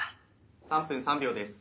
３分３秒です。